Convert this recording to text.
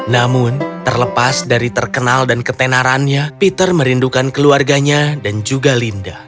namun terlepas dari terkenal dan ketenarannya peter merindukan keluarganya dan juga linda